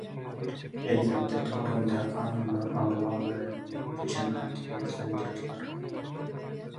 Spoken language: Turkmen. Elbetde töweregimdäki adamlaryň aglaba bölegi meni bu jenaýata höweslendirdiler.